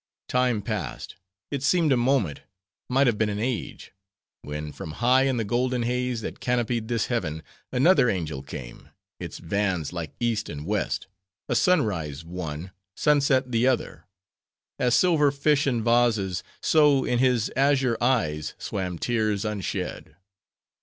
"Time passed; it seemed a moment, might have been an age; when from high in the golden haze that canopied this heaven, another angel came; its vans like East and West; a sunrise one, sunset the other. As silver fish in vases, so, in his azure eyes swam tears unshed.